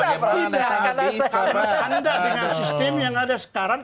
anda dengan sistem yang ada sekarang